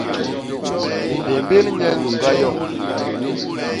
Témbél nye nyuñga yoñ.